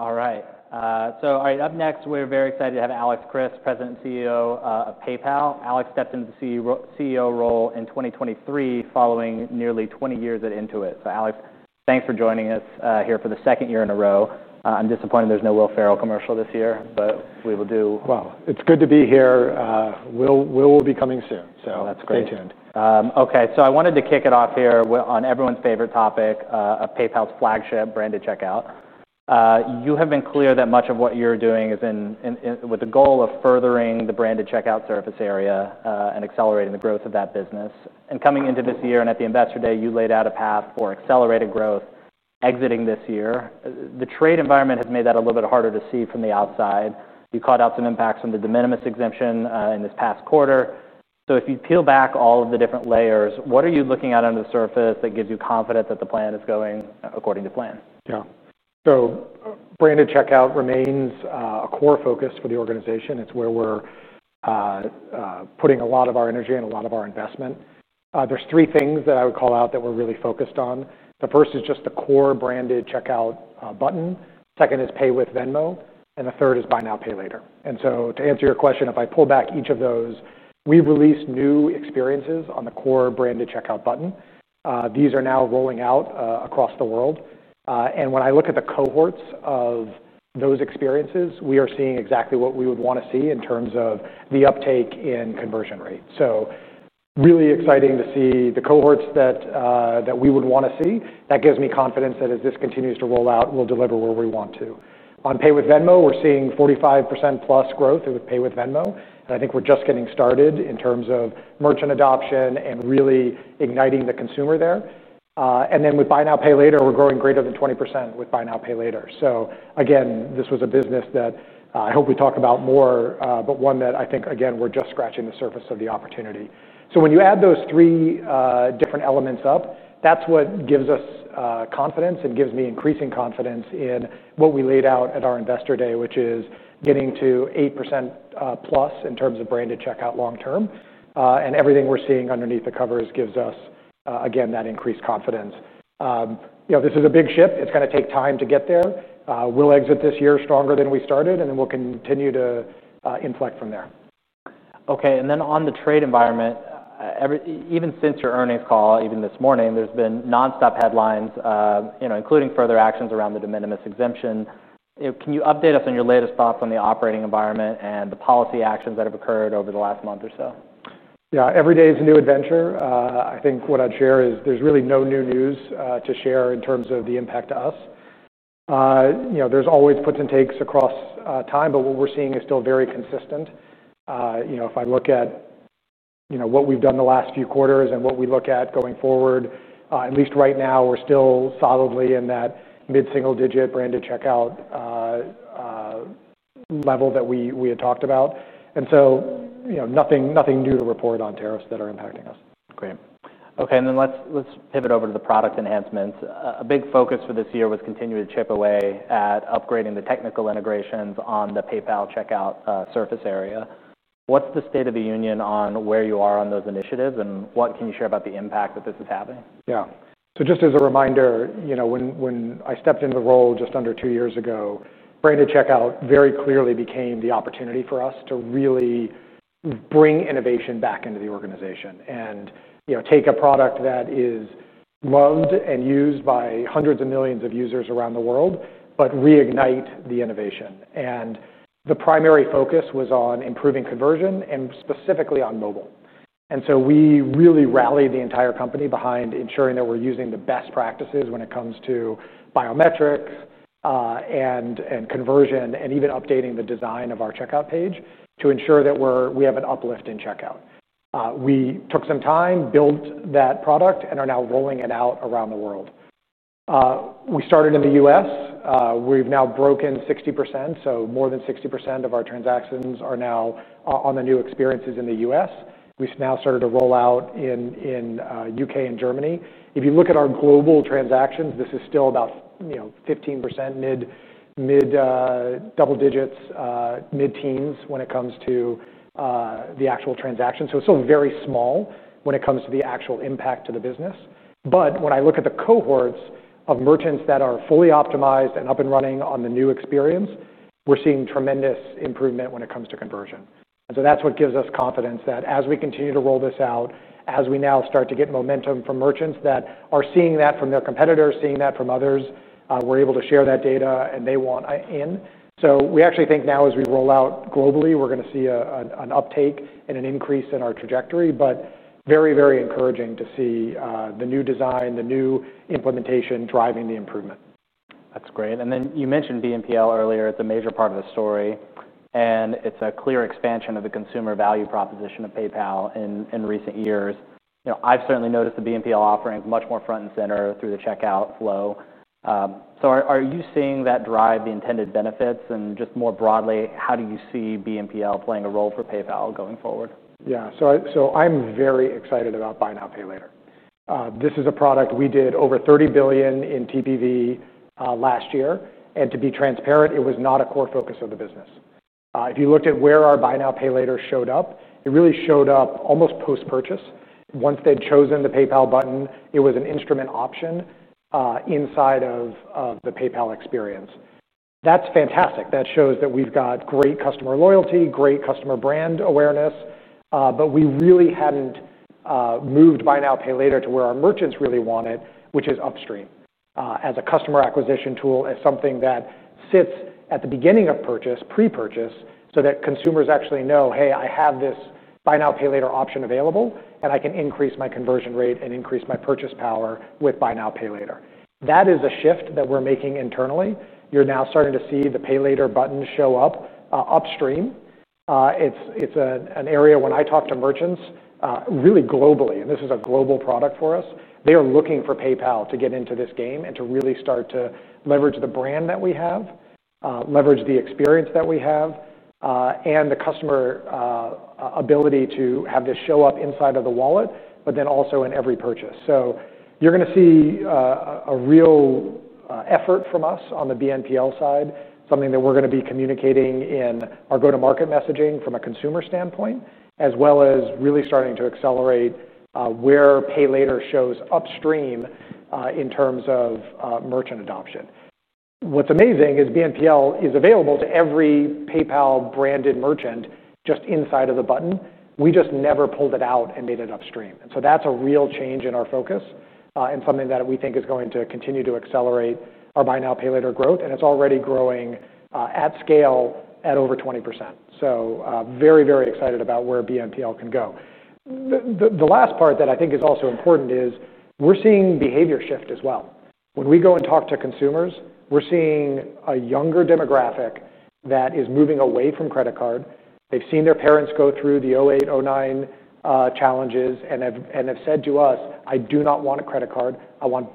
All right. Up next, we're very excited to have Alex Chriss, President and CEO of PayPal. Alex stepped into the CEO role in 2023 following nearly 20 years at Intuit. Alex, thanks for joining us here for the second year in a row. I'm disappointed there's no Will Ferrell commercial this year, but we will do. It's good to be here. Will will be coming soon, so stay tuned. Okay, I wanted to kick it off here on everyone's favorite topic of PayPal's flagship branded checkout. You have been clear that much of what you're doing is with the goal of furthering the branded checkout service area and accelerating the growth of that business. Coming into this year and at the Investor Day, you laid out a path for accelerated growth exiting this year. The trade environment has made that a little bit harder to see from the outside. You called out some impacts from the de minimis exemption in this past quarter. If you peel back all of the different layers, what are you looking at under the surface that gives you confidence that the plan is going according to plan? Yeah. Branded checkout remains a core focus for the organization. It's where we're putting a lot of our energy and a lot of our investment. There are three things that I would call out that we're really focused on. The first is just the core branded checkout button. The second is Pay with Venmo. The third is Buy Now, Pay Later. To answer your question, if I pull back each of those, we've released new experiences on the core branded checkout button. These are now rolling out across the world. When I look at the cohorts of those experiences, we are seeing exactly what we would want to see in terms of the uptake in conversion rate. It's really exciting to see the cohorts that we would want to see. That gives me confidence that as this continues to roll out, we'll deliver where we want to. On Pay with Venmo, we're seeing 45% plus growth with Pay with Venmo. I think we're just getting started in terms of merchant adoption and really igniting the consumer there. With Buy Now, Pay Later, we're growing greater than 20% with Buy Now, Pay Later. This was a business that I hope we talk about more, but one that I think we're just scratching the surface of the opportunity. When you add those three different elements up, that's what gives us confidence and gives me increasing confidence in what we laid out at our Investor Day, which is getting to 8% plus in terms of branded checkout long term. Everything we're seeing underneath the covers gives us that increased confidence. This is a big ship. It's going to take time to get there. We'll exit this year stronger than we started, and we'll continue to inflect from there. Okay. On the trade environment, even since your earnings call, even this morning, there's been nonstop headlines, including further actions around the de minimis exemption. Can you update us on your latest thoughts on the operating environment and the policy actions that have occurred over the last month or so? Yeah, every day is a new adventure. I think what I'd share is there's really no new news to share in terms of the impact to us. There's always puts and takes across time, but what we're seeing is still very consistent. If I look at what we've done the last few quarters and what we look at going forward, at least right now, we're still solidly in that mid-single-digit branded checkout level that we had talked about. Nothing new to report on tariffs that are impacting us. Great. Okay. Let's pivot over to the product enhancements. A big focus for this year was continuing to chip away at upgrading the technical integrations on the PayPal checkout surface area. What's the state of the union on where you are on those initiatives, and what can you share about the impact that this is having? Yeah. Just as a reminder, you know, when I stepped into the role just under two years ago, branded checkout very clearly became the opportunity for us to really bring innovation back into the organization and, you know, take a product that is loved and used by hundreds of millions of users around the world, but reignite the innovation. The primary focus was on improving conversion and specifically on mobile. We really rallied the entire company behind ensuring that we're using the best practices when it comes to biometrics and conversion and even updating the design of our checkout page to ensure that we have an uplift in checkout. We took some time, built that product, and are now rolling it out around the world. We started in the U.S. We've now broken 60%. More than 60% of our transactions are now on the new experiences in the U.S. We've now started to roll out in the UK and Germany. If you look at our global transactions, this is still about 15%, mid double digits, mid teens when it comes to the actual transaction. It's still very small when it comes to the actual impact to the business. When I look at the cohorts of merchants that are fully optimized and up and running on the new experience, we're seeing tremendous improvement when it comes to conversion. That's what gives us confidence that as we continue to roll this out, as we now start to get momentum from merchants that are seeing that from their competitors, seeing that from others, we're able to share that data and they want in. We actually think now as we roll out globally, we're going to see an uptake and an increase in our trajectory, but very, very encouraging to see the new design, the new implementation driving the improvement. That's great. You mentioned Buy Now, Pay Later (BNPL) earlier, it's a major part of the story and it's a clear expansion of the consumer value proposition of PayPal in recent years. I've certainly noticed the BNPL offering much more front and center through the checkout flow. Are you seeing that drive the intended benefits and just more broadly, how do you see BNPL playing a role for PayPal going forward? Yeah. I'm very excited about Buy Now, Pay Later. This is a product we did over $30 billion in TPV last year. To be transparent, it was not a core focus of the business. If you looked at where our Buy Now, Pay Later showed up, it really showed up almost post-purchase. Once they'd chosen the PayPal button, it was an instrument option inside of the PayPal experience. That's fantastic. That shows that we've got great customer loyalty, great customer brand awareness, but we really hadn't moved Buy Now, Pay Later to where our merchants really want it, which is upstream as a customer acquisition tool, as something that sits at the beginning of purchase, pre-purchase, so that consumers actually know, hey, I have this Buy Now, Pay Later option available and I can increase my conversion rate and increase my purchase power with Buy Now, Pay Later. That is a shift that we're making internally. You're now starting to see the Pay Later button show up upstream. It's an area when I talk to merchants globally, and this is a global product for us. They are looking for PayPal to get into this game and to really start to leverage the brand that we have, leverage the experience that we have, and the customer ability to have this show up inside of the wallet, but then also in every purchase. You're going to see a real effort from us on the BNPL side, something that we're going to be communicating in our go-to-market messaging from a consumer standpoint, as well as really starting to accelerate where Pay Later shows upstream in terms of merchant adoption. What's amazing is BNPL is available to every PayPal branded merchant just inside of the button. We just never pulled it out and made it upstream. That's a real change in our focus and something that we think is going to continue to accelerate our Buy Now, Pay Later growth. It's already growing at scale at over 20%. Very, very excited about where BNPL can go. The last part that I think is also important is we're seeing behavior shift as well. When we go and talk to consumers, we're seeing a younger demographic that is moving away from credit card. They've seen their parents go through the 2008, 2009 challenges and have said to us, "I do not want a credit card. I want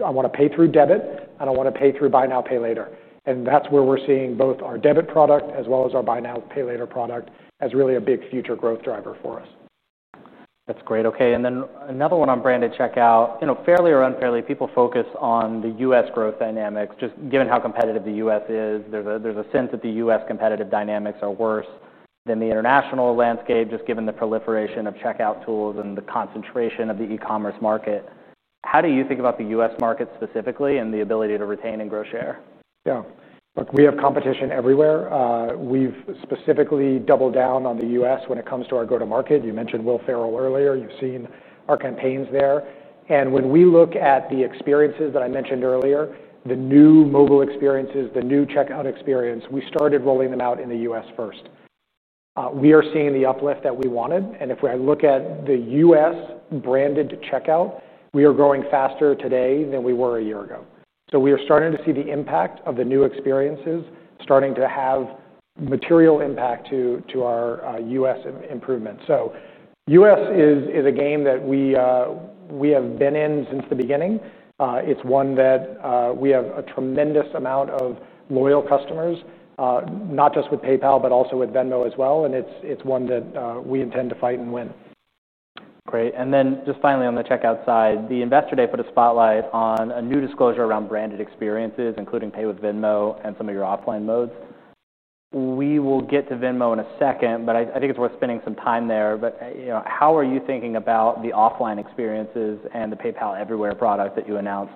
to pay through debit. I don't want to pay through Buy Now, Pay Later." That's where we're seeing both our debit product as well as our Buy Now, Pay Later product as really a big future growth driver for us. That's great. Okay. Another one on branded checkout. Fairly or unfairly, people focus on the U.S. growth dynamics, just given how competitive the U.S. is. There's a sense that the U.S. competitive dynamics are worse than the international landscape, just given the proliferation of checkout tools and the concentration of the e-commerce market. How do you think about the U.S. market specifically and the ability to retain and grow share? Yeah. Look, we have competition everywhere. We've specifically doubled down on the U.S. when it comes to our go-to-market. You mentioned Will Ferrell earlier. You've seen our campaigns there. When we look at the experiences that I mentioned earlier, the new mobile experiences, the new checkout experience, we started rolling them out in the U.S. first. We are seeing the uplift that we wanted. If I look at the U.S. branded checkout, we are growing faster today than we were a year ago. We are starting to see the impact of the new experiences starting to have material impact to our U.S. improvement. The U.S. is a game that we have been in since the beginning. It's one that we have a tremendous amount of loyal customers, not just with PayPal, but also with Venmo as well. It's one that we intend to fight and win. Great. Finally, on the checkout side, the Investor Day put a spotlight on a new disclosure around branded experiences, including Pay with Venmo and some of your offline modes. We will get to Venmo in a second. I think it's worth spending some time there. How are you thinking about the offline experiences and the PayPal Everywhere product that you announced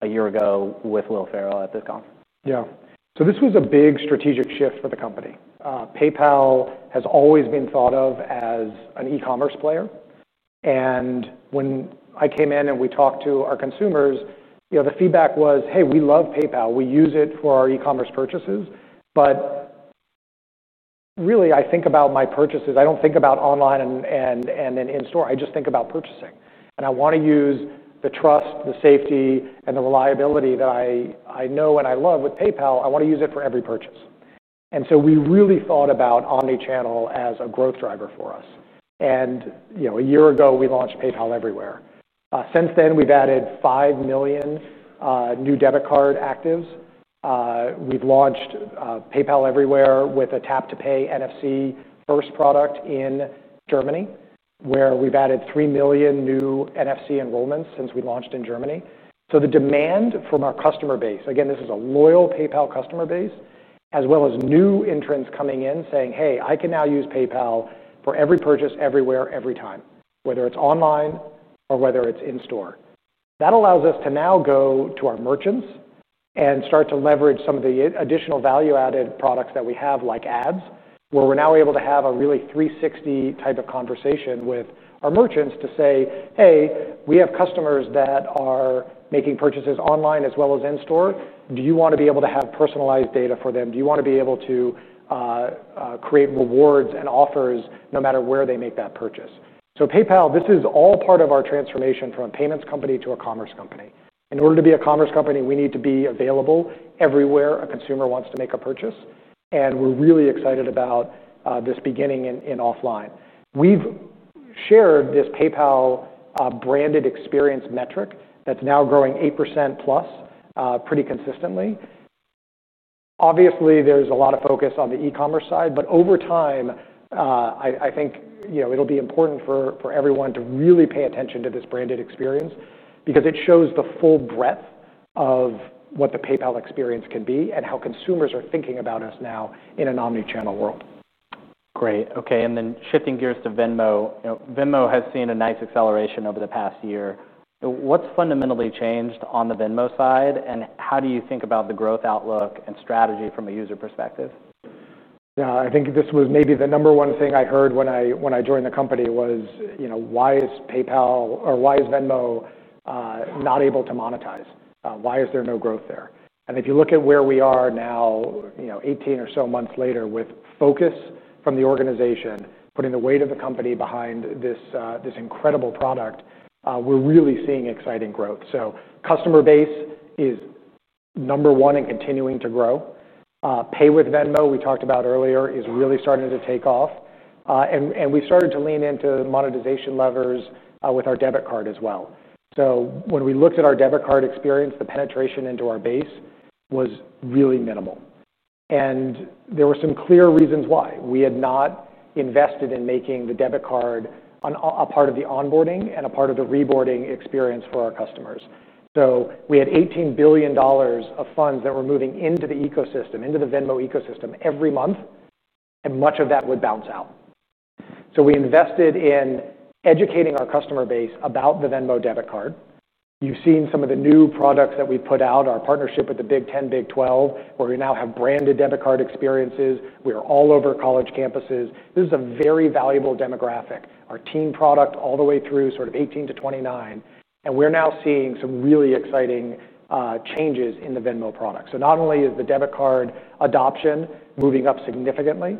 a year ago with Will Ferrell at this conference? Yeah. This was a big strategic shift for the company. PayPal has always been thought of as an e-commerce player. When I came in and we talked to our consumers, the feedback was, "Hey, we love PayPal. We use it for our e-commerce purchases." Really, I think about my purchases. I don't think about online and in-store. I just think about purchasing. I want to use the trust, the safety, and the reliability that I know and I love with PayPal. I want to use it for every purchase. We really thought about omnichannel as a growth driver for us. A year ago, we launched PayPal Everywhere. Since then, we've added 5 million new debit card actives. We've launched PayPal Everywhere with a tap-to-pay NFC first product in Germany, where we've added 3 million new NFC enrollments since we launched in Germany. The demand from our customer base, again, this is a loyal PayPal customer base, as well as new entrants coming in saying, "Hey, I can now use PayPal for every purchase, everywhere, every time, whether it's online or whether it's in-store." That allows us to now go to our merchants and start to leverage some of the additional value-added products that we have, like ads, where we're now able to have a really 360 type of conversation with our merchants to say, "Hey, we have customers that are making purchases online as well as in-store. Do you want to be able to have personalized data for them? Do you want to be able to create rewards and offers no matter where they make that purchase?" PayPal, this is all part of our transformation from a payments company to a commerce company. In order to be a commerce company, we need to be available everywhere a consumer wants to make a purchase. We're really excited about this beginning in offline. We've shared this PayPal branded experience metric that's now growing 8%+ pretty consistently. Obviously, there's a lot of focus on the e-commerce side, but over time, I think it'll be important for everyone to really pay attention to this branded experience because it shows the full breadth of what the PayPal experience can be and how consumers are thinking about us now in an omnichannel world. Great. Okay. Shifting gears to Venmo, Venmo has seen a nice acceleration over the past year. What's fundamentally changed on the Venmo side, and how do you think about the growth outlook and strategy from a user perspective? Yeah, I think this was maybe the number one thing I heard when I joined the company was, you know, why is PayPal or why is Venmo not able to monetize? Why is there no growth there? If you look at where we are now, you know, 18 or so months later with focus from the organization, putting the weight of the company behind this incredible product, we're really seeing exciting growth. Customer base is number one and continuing to grow. Pay with Venmo we talked about earlier is really starting to take off. We started to lean into monetization levers with our debit card as well. When we looked at our debit card experience, the penetration into our base was really minimal, and there were some clear reasons why. We had not invested in making the debit card a part of the onboarding and a part of the reboarding experience for our customers. We had $18 billion of funds that were moving into the ecosystem, into the Venmo ecosystem every month, and much of that would bounce out. We invested in educating our customer base about the Venmo debit card. You've seen some of the new products that we've put out, our partnership with the Big 10, Big 12, where we now have branded debit card experiences. We are all over college campuses. This is a very valuable demographic. Our teen product all the way through sort of 18 to 29. We're now seeing some really exciting changes in the Venmo product. Not only is the debit card adoption moving up significantly,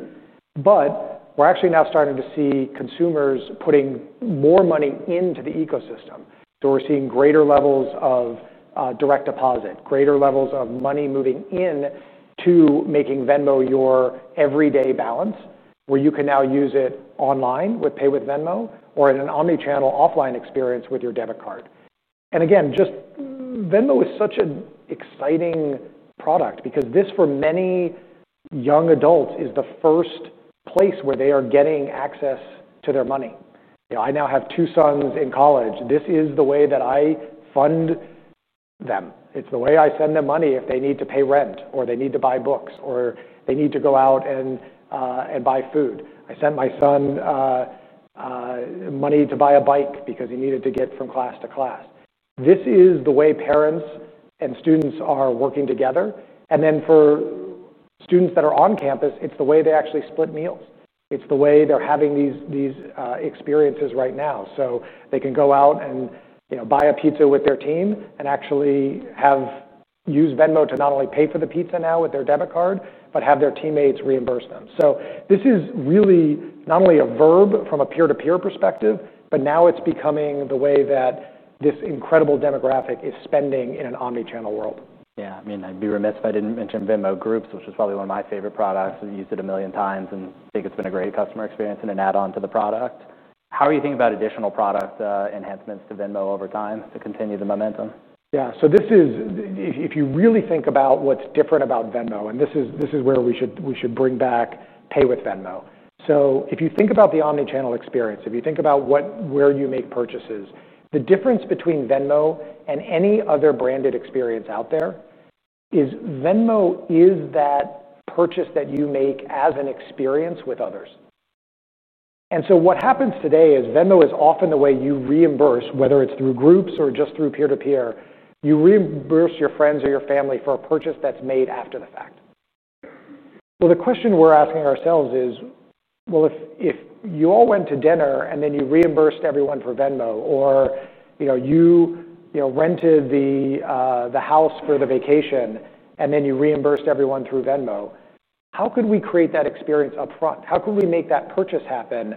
but we're actually now starting to see consumers putting more money into the ecosystem. We're seeing greater levels of direct deposit, greater levels of money moving in to making Venmo your everyday balance, where you can now use it online with Pay with Venmo or in an omnichannel offline experience with your debit card. Again, just Venmo is such an exciting product because this for many young adults is the first place where they are getting access to their money. You know, I now have two sons in college. This is the way that I fund them. It's the way I send them money if they need to pay rent or they need to buy books or they need to go out and buy food. I sent my son money to buy a bike because he needed to get from class to class. This is the way parents and students are working together. For students that are on campus, it's the way they actually split meals. It's the way they're having these experiences right now. They can go out and, you know, buy a pizza with their team and actually use Venmo to not only pay for the pizza now with their debit card, but have their teammates reimburse them. This is really not only a verb from a peer-to-peer perspective, but now it's becoming the way that this incredible demographic is spending in an omnichannel world. Yeah, I mean, I'd be remiss if I didn't mention Venmo Groups, which is probably one of my favorite products. I've used it a million times and think it's been a great customer experience and an add-on to the product. How are you thinking about additional product enhancements to Venmo over time to continue the momentum? Yeah, so this is, if you really think about what's different about Venmo, and this is where we should bring back Pay with Venmo. If you think about the omnichannel experience, if you think about where you make purchases, the difference between Venmo and any other branded experience out there is Venmo is that purchase that you make as an experience with others. What happens today is Venmo is often the way you reimburse, whether it's through groups or just through peer-to-peer, you reimburse your friends or your family for a purchase that's made after the fact. The question we're asking ourselves is, if you all went to dinner and then you reimbursed everyone for Venmo, or you know, you rented the house for the vacation and then you reimbursed everyone through Venmo, how could we create that experience upfront? How could we make that purchase happen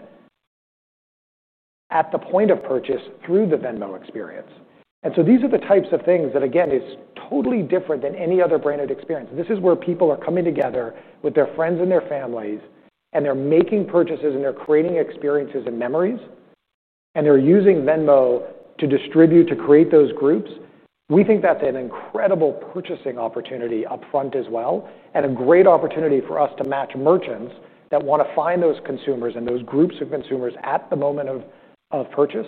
at the point of purchase through the Venmo experience? These are the types of things that, again, are totally different than any other branded experience. This is where people are coming together with their friends and their families, and they're making purchases and they're creating experiences and memories, and they're using Venmo to distribute, to create those groups. We think that's an incredible purchasing opportunity upfront as well, and a great opportunity for us to match merchants that want to find those consumers and those groups of consumers at the moment of purchase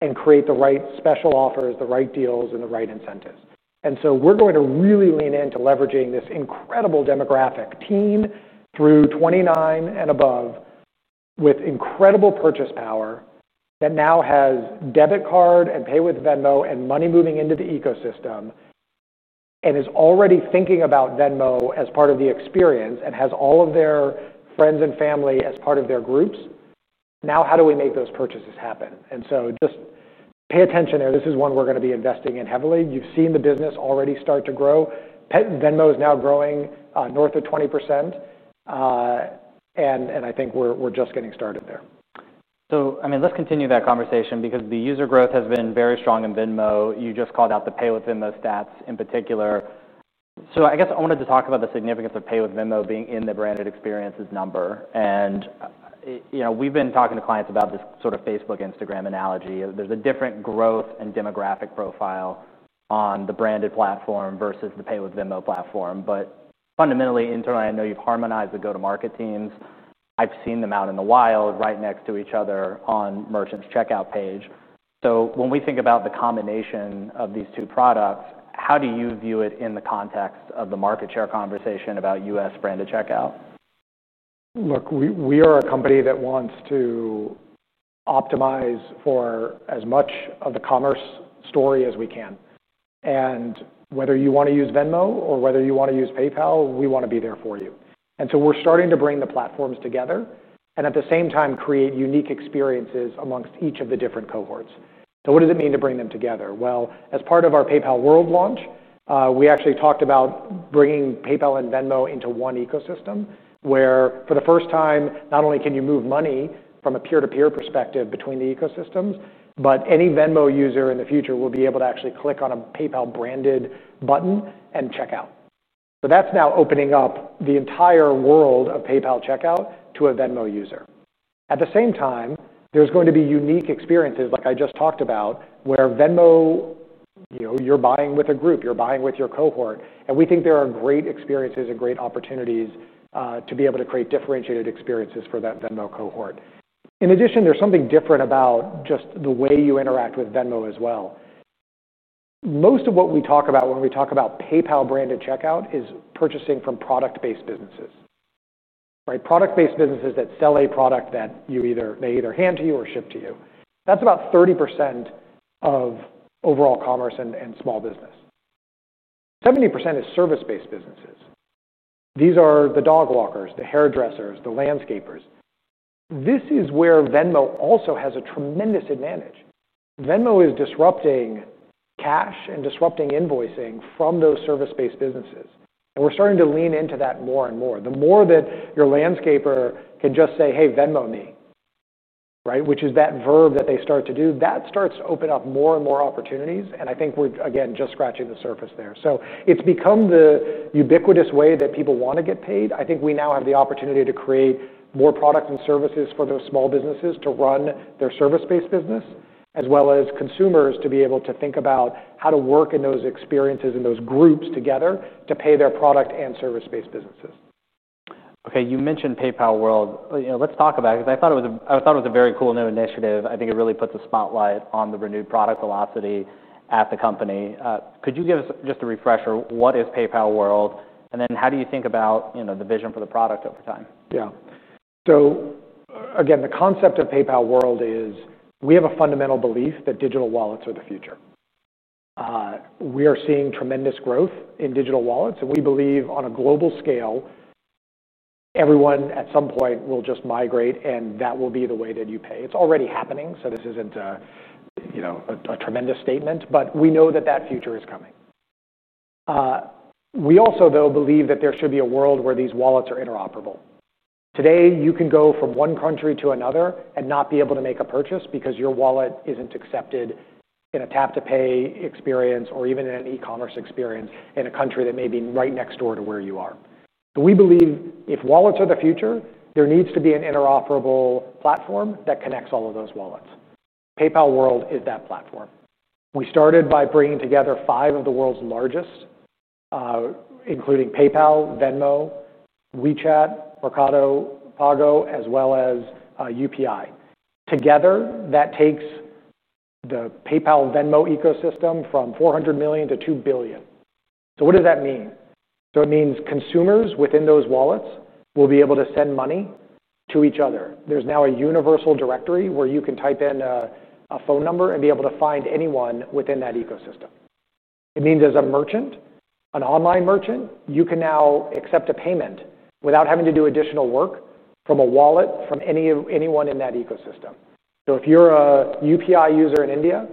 and create the right special offers, the right deals, and the right incentives. We're going to really lean into leveraging this incredible demographic, teen through 29 and above, with incredible purchase power that now has debit card and Pay with Venmo and money moving into the ecosystem and is already thinking about Venmo as part of the experience and has all of their friends and family as part of their groups. Now, how do we make those purchases happen? Just pay attention there. This is one we're going to be investing in heavily. You've seen the business already start to grow. Venmo is now growing north of 20%. I think we're just getting started there. I mean, let's continue that conversation because the user growth has been very strong in Venmo. You just called out the Pay with Venmo stats in particular. I guess I wanted to talk about the significance of Pay with Venmo being in the branded experiences number. You know, we've been talking to clients about this sort of Facebook, Instagram analogy. There's a different growth and demographic profile on the branded platform versus the Pay with Venmo platform. Fundamentally, internally, I know you've harmonized the go-to-market teams. I've seen them out in the wild right next to each other on merchants' checkout page. When we think about the combination of these two products, how do you view it in the context of the market share conversation about U.S. branded checkout? Look, we are a company that wants to optimize for as much of the commerce story as we can. Whether you want to use Venmo or whether you want to use PayPal, we want to be there for you. We are starting to bring the platforms together and at the same time, create unique experiences amongst each of the different cohorts. What does it mean to bring them together? As part of our PayPal World launch, we actually talked about bringing PayPal and Venmo into one ecosystem where for the first time, not only can you move money from a peer-to-peer perspective between the ecosystems, but any Venmo user in the future will be able to actually click on a PayPal branded button and checkout. That is now opening up the entire world of PayPal checkout to a Venmo user. At the same time, there are going to be unique experiences like I just talked about where Venmo, you know, you're buying with a group, you're buying with your cohort. We think there are great experiences and great opportunities to be able to create differentiated experiences for that Venmo cohort. In addition, there is something different about just the way you interact with Venmo as well. Most of what we talk about when we talk about PayPal branded checkout is purchasing from product-based businesses. Right? Product-based businesses that sell a product that they either hand to you or ship to you. That is about 30% of overall commerce and small business. 70% is service-based businesses. These are the dog walkers, the hairdressers, the landscapers. This is where Venmo also has a tremendous advantage. Venmo is disrupting cash and disrupting invoicing from those service-based businesses. We are starting to lean into that more and more. The more that your landscaper can just say, "Hey, Venmo me." Right? Which is that verb that they start to do. That starts to open up more and more opportunities. I think we have, again, just scratching the surface there. It has become the ubiquitous way that people want to get paid. I think we now have the opportunity to create more products and services for those small businesses to run their service-based business, as well as consumers to be able to think about how to work in those experiences and those groups together to pay their product and service-based businesses. Okay. You mentioned PayPal World. Let's talk about it because I thought it was a very cool new initiative. I think it really puts a spotlight on the renewed product velocity at the company. Could you give us just a refresher? What is PayPal World? How do you think about the vision for the product over time? Yeah. The concept of PayPal World is we have a fundamental belief that digital wallets are the future. We are seeing tremendous growth in digital wallets, and we believe on a global scale, everyone at some point will just migrate and that will be the way that you pay. It's already happening. This isn't a tremendous statement, but we know that future is coming. We also believe that there should be a world where these wallets are interoperable. Today, you can go from one country to another and not be able to make a purchase because your wallet isn't accepted in a tap-to-pay experience or even in an e-commerce experience in a country that may be right next door to where you are. We believe if wallets are the future, there needs to be an interoperable platform that connects all of those wallets. PayPal World is that platform. We started by bringing together five of the world's largest, including PayPal, Venmo, WeChat, Mercado Pago, as well as UPI. Together, that takes the PayPal Venmo ecosystem from 400 million to 2 billion. What does that mean? It means consumers within those wallets will be able to send money to each other. There's now a universal directory where you can type in a phone number and be able to find anyone within that ecosystem. It means as a merchant, an online merchant, you can now accept a payment without having to do additional work from a wallet from anyone in that ecosystem. If you're a UPI user in India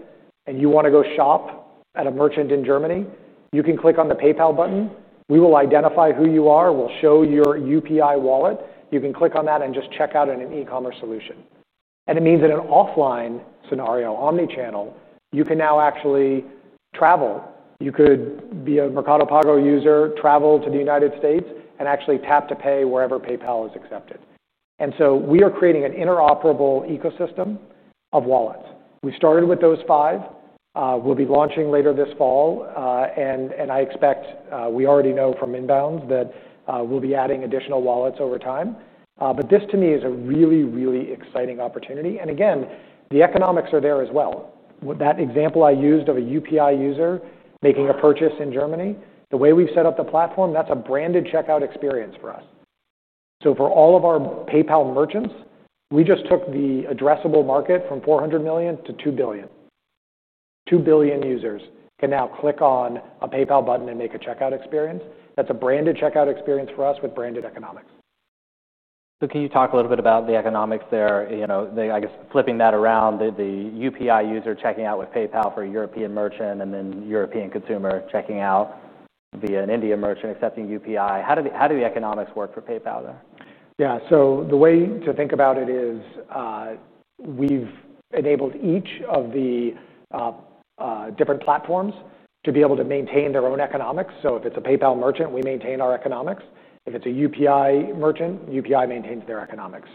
and you want to go shop at a merchant in Germany, you can click on the PayPal button. We will identify who you are. We'll show your UPI wallet. You can click on that and just check out an e-commerce solution. It means in an offline scenario, omnichannel, you can now actually travel. You could be a Mercado Pago user, travel to the U.S., and actually tap to pay wherever PayPal is accepted. We are creating an interoperable ecosystem of wallets. We started with those five. We'll be launching later this fall. I expect, we already know from inbound that we'll be adding additional wallets over time. This to me is a really, really exciting opportunity. The economics are there as well. That example I used of a UPI user making a purchase in Germany, the way we've set up the platform, that's a branded checkout experience for us. For all of our PayPal merchants, we just took the addressable market from 400 million to 2 billion. 2 billion users can now click on a PayPal button and make a checkout experience. That's a branded checkout experience for us with branded economics. Can you talk a little bit about the economics there? I guess flipping that around, the UPI user checking out with PayPal for a European merchant and then the European consumer checking out via an Indian merchant accepting UPI. How do the economics work for PayPal there? Yeah. The way to think about it is we've enabled each of the different platforms to be able to maintain their own economics. If it's a PayPal merchant, we maintain our economics. If it's a UPI merchant, UPI maintains their economics.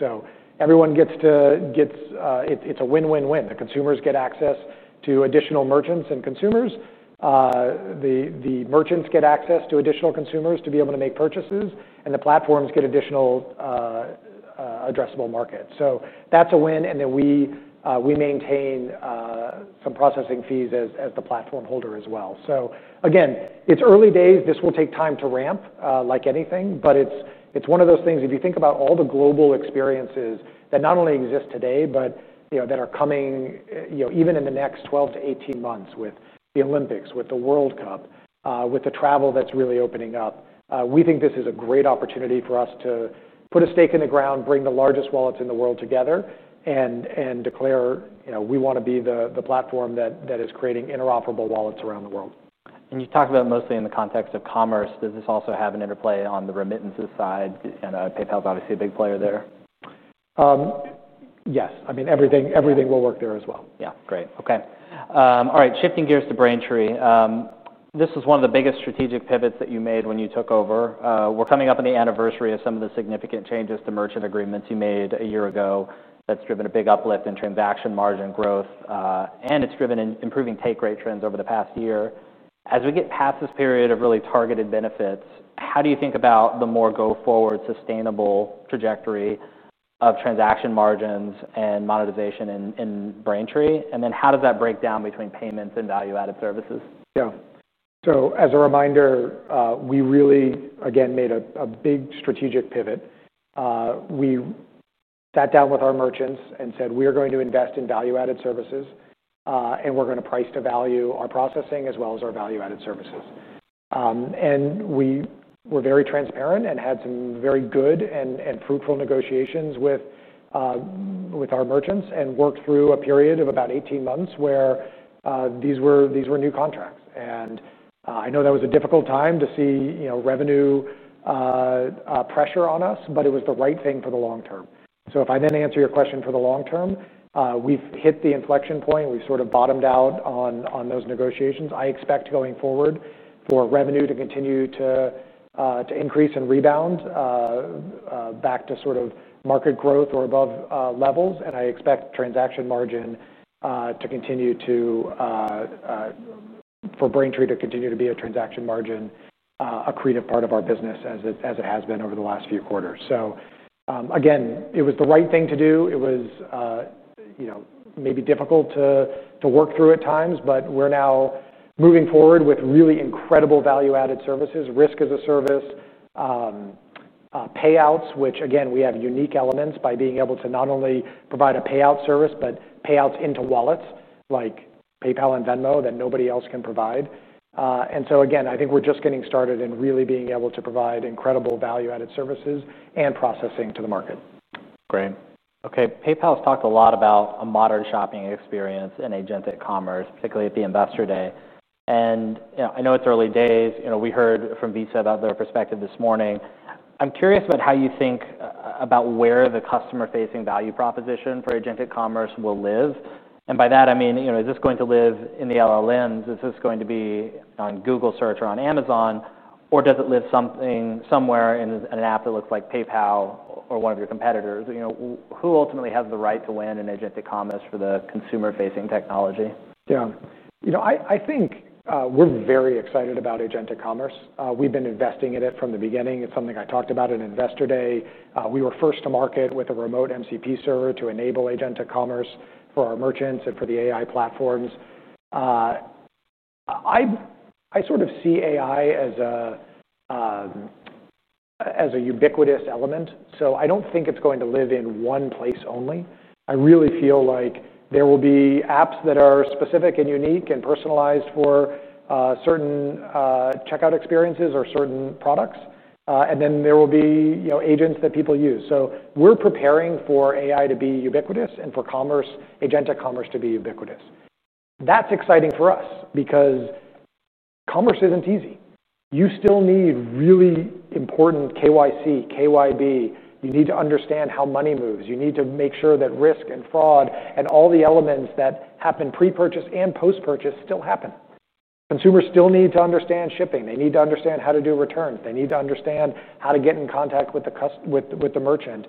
Everyone gets to, it's a win-win-win. The consumers get access to additional merchants and consumers. The merchants get access to additional consumers to be able to make purchases, and the platforms get additional addressable markets. That's a win. We maintain some processing fees as the platform holder as well. It's early days. This will take time to ramp like anything, but it's one of those things, if you think about all the global experiences that not only exist today, but that are coming even in the next 12 to 18 months with the Olympics, with the World Cup, with the travel that's really opening up, we think this is a great opportunity for us to put a stake in the ground, bring the largest wallets in the world together, and declare we want to be the platform that is creating interoperable wallets around the world. You talked about mostly in the context of commerce. Does this also have an interplay on the remittances side? PayPal is obviously a big player there. Yes, I mean everything will work there as well. Great. Okay. All right. Shifting gears to Braintree, this was one of the biggest strategic pivots that you made when you took over. We're coming up on the anniversary of some of the significant changes to merchant agreements you made a year ago that's driven a big uplift in transaction margin growth, and it's driven improving take rate trends over the past year. As we get past this period of really targeted benefits, how do you think about the more go-forward sustainable trajectory of transaction margins and monetization in Braintree? How does that break down between payments and value-added services? Yeah. As a reminder, we really, again, made a big strategic pivot. We sat down with our merchants and said, "We are going to invest in value-added services, and we're going to price to value our processing as well as our value-added services." We were very transparent and had some very good and fruitful negotiations with our merchants and worked through a period of about 18 months where these were new contracts. I know that was a difficult time to see revenue pressure on us, but it was the right thing for the long term. If I then answer your question for the long term, we've hit the inflection point. We've sort of bottomed out on those negotiations. I expect going forward for revenue to continue to increase and rebound back to sort of market growth or above levels. I expect transaction margin to continue to, for Braintree to continue to be a transaction margin accretive part of our business as it has been over the last few quarters. Again, it was the right thing to do. It was, you know, maybe difficult to work through at times, but we're now moving forward with really incredible value-added services, risk as a service, payouts, which again, we have unique elements by being able to not only provide a payout service, but payouts into wallets like PayPal and Venmo that nobody else can provide. I think we're just getting started and really being able to provide incredible value-added services and processing to the market. Great. Okay. PayPal has talked a lot about a modern shopping experience in agentic commerce, particularly at the Investor Day. I know it's early days. You know, we heard from Visa about their perspective this morning. I'm curious about how you think about where the customer-facing value proposition for agentic commerce will live. By that, I mean, you know, is this going to live in the LLMs? Is this going to be on Google Search or on Amazon? Does it live somewhere in an app that looks like PayPal or one of your competitors? You know, who ultimately has the right to win in agentic commerce for the consumer-facing technology? Yeah. I think we're very excited about agentic commerce. We've been investing in it from the beginning. It's something I talked about in Investor Day. We were first to market with a remote MCP server to enable agentic commerce for our merchants and for the AI platforms. I sort of see AI as a ubiquitous element. I don't think it's going to live in one place only. I really feel like there will be apps that are specific and unique and personalized for certain checkout experiences or certain products. There will be agents that people use. We're preparing for AI to be ubiquitous and for agentic commerce to be ubiquitous. That's exciting for us because commerce isn't easy. You still need really important KYC, KYB. You need to understand how money moves. You need to make sure that risk and fraud and all the elements that happen pre-purchase and post-purchase still happen. Consumers still need to understand shipping. They need to understand how to do returns. They need to understand how to get in contact with the merchant.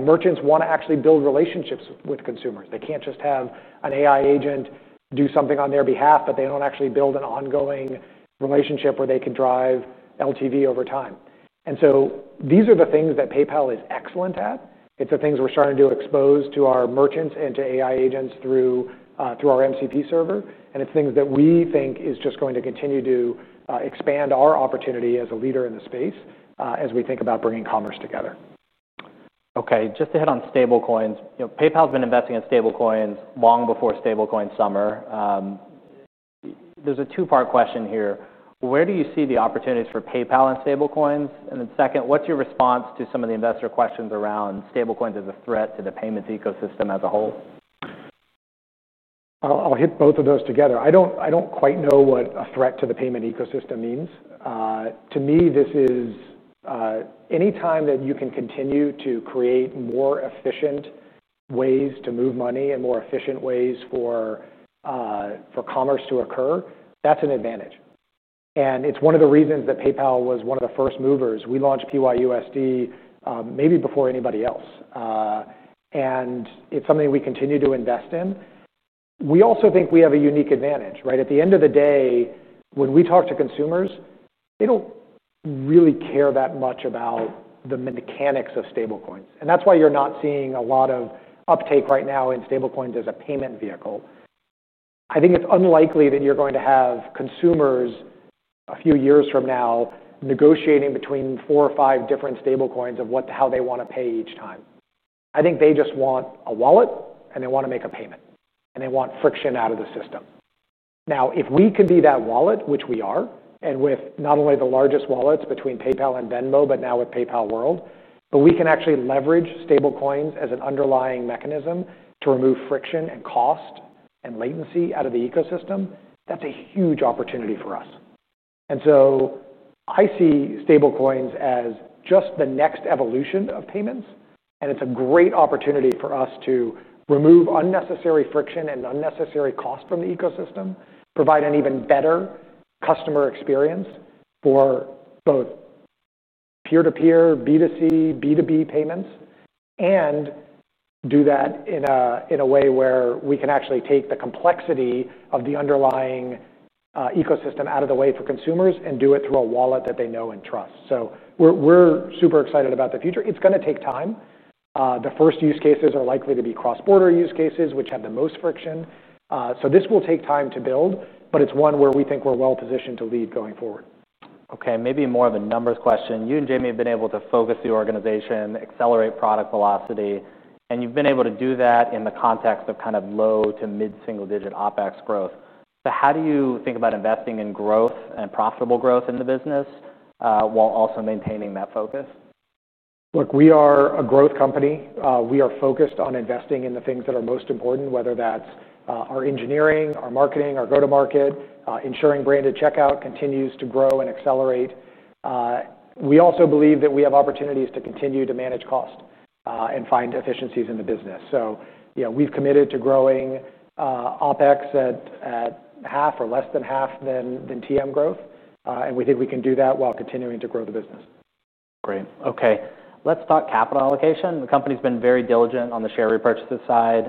Merchants want to actually build relationships with consumers. They can't just have an AI agent do something on their behalf, but they don't actually build an ongoing relationship where they can drive LTV over time. These are the things that PayPal is excellent at. It's the things we're starting to expose to our merchants and to AI agents through our MCP server. It's things that we think are just going to continue to expand our opportunity as a leader in the space as we think about bringing commerce together. Okay. Just to hit on stablecoins, you know, PayPal has been investing in stablecoins long before stablecoin summer. There's a two-part question here. Where do you see the opportunities for PayPal and stablecoins? Then second, what's your response to some of the investor questions around stablecoins as a threat to the payments ecosystem as a whole? I'll hit both of those together. I don't quite know what a threat to the payment ecosystem means. To me, this is any time that you can continue to create more efficient ways to move money and more efficient ways for commerce to occur, that's an advantage. It's one of the reasons that PayPal was one of the first movers. We launched PYUSD maybe before anybody else, and it's something we continue to invest in. We also think we have a unique advantage, right? At the end of the day, when we talk to consumers, they don't really care that much about the mechanics of stablecoins. That's why you're not seeing a lot of uptake right now in stablecoins as a payment vehicle. I think it's unlikely that you're going to have consumers a few years from now negotiating between four or five different stablecoins of how they want to pay each time. I think they just want a wallet and they want to make a payment and they want friction out of the system. Now, if we can be that wallet, which we are, and with not only the largest wallets between PayPal and Venmo, but now with PayPal World, we can actually leverage stablecoins as an underlying mechanism to remove friction and cost and latency out of the ecosystem. That's a huge opportunity for us. I see stablecoins as just the next evolution of payments, and it's a great opportunity for us to remove unnecessary friction and unnecessary cost from the ecosystem, provide an even better customer experience for both peer-to-peer, B2C, B2B payments, and do that in a way where we can actually take the complexity of the underlying ecosystem out of the way for consumers and do it through a wallet that they know and trust. We're super excited about the future. It's going to take time. The first use cases are likely to be cross-border use cases, which have the most friction. This will take time to build, but it's one where we think we're well positioned to lead going forward. Okay. Maybe more of a numbers question. You and Jamie have been able to focus the organization, accelerate product velocity, and you've been able to do that in the context of kind of low to mid-single-digit OpEx growth. How do you think about investing in growth and profitable growth in the business while also maintaining that focus? Look, we are a growth company. We are focused on investing in the things that are most important, whether that's our engineering, our marketing, our go-to-market, ensuring branded checkout continues to grow and accelerate. We also believe that we have opportunities to continue to manage cost and find efficiencies in the business. We've committed to growing OPEX at half or less than half than TM growth, and we think we can do that while continuing to grow the business. Great. Okay. Let's talk capital allocation. The company's been very diligent on the share repurchases side.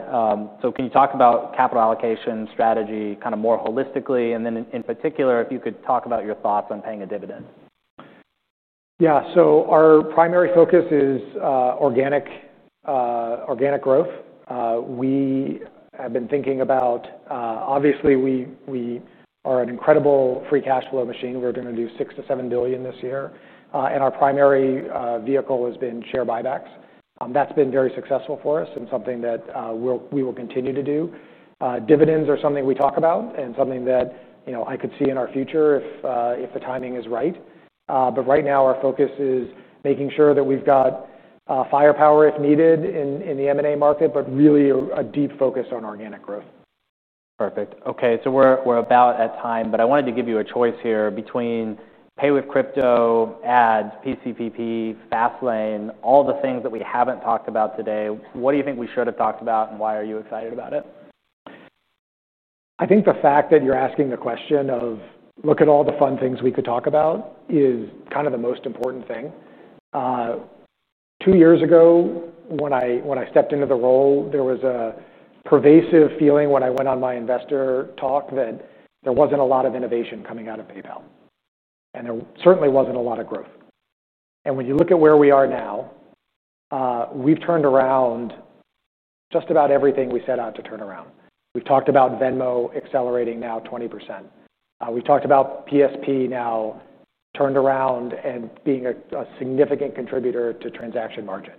Can you talk about capital allocation strategy kind of more holistically? In particular, if you could talk about your thoughts on paying a dividend? Our primary focus is organic growth. We have been thinking about, obviously, we are an incredible free cash flow machine. We're going to do $6 to $7 billion this year. Our primary vehicle has been share buybacks. That's been very successful for us and something that we will continue to do. Dividends are something we talk about and something that I could see in our future if the timing is right. Right now, our focus is making sure that we've got firepower if needed in the M&A market, but really a deep focus on organic growth. Perfect. Okay. We're about at time, but I wanted to give you a choice here between pay with crypto, ads, PCPP, Fastlane, all the things that we haven't talked about today. What do you think we should have talked about and why are you excited about it? I think the fact that you're asking the question of, look at all the fun things we could talk about, is kind of the most important thing. Two years ago, when I stepped into the role, there was a pervasive feeling when I went on my investor talk that there wasn't a lot of innovation coming out of PayPal. There certainly wasn't a lot of growth. When you look at where we are now, we've turned around just about everything we set out to turn around. We've talked about Venmo accelerating now 20%. We've talked about PSP now turned around and being a significant contributor to transaction margin.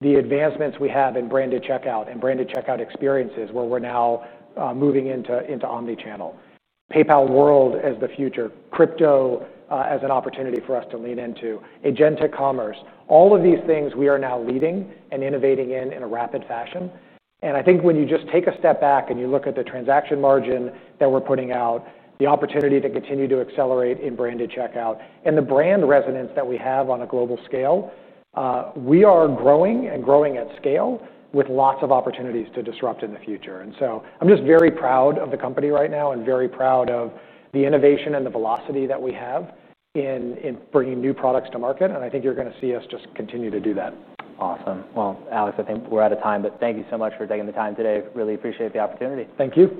The advancements we have in branded checkout and branded checkout experiences where we're now moving into omnichannel, PayPal World as the future, crypto as an opportunity for us to lean into, agentic commerce, all of these things we are now leading and innovating in in a rapid fashion. I think when you just take a step back and you look at the transaction margin that we're putting out, the opportunity to continue to accelerate in branded checkout, and the brand resonance that we have on a global scale, we are growing and growing at scale with lots of opportunities to disrupt in the future. I'm just very proud of the company right now and very proud of the innovation and the velocity that we have in bringing new products to market. I think you're going to see us just continue to do that. Awesome. Alex, I think we're out of time, but thank you so much for taking the time today. Really appreciate the opportunity. Thank you.